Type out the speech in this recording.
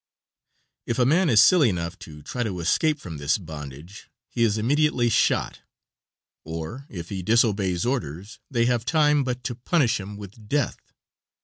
If a man is silly enough to try to escape from this bondage he is immediately shot, or if he disobeys orders they have time but to punish him with death.